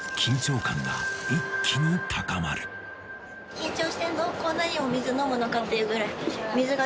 一気にこんなにお水飲むのかっていうぐらい。